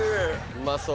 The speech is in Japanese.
うまそう。